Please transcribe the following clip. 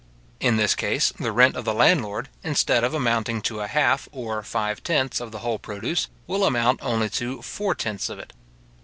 In this case, the rent of the landlord, instead of amounting to a half, or five tenths of the whole produce, will amount only to four tenths of it.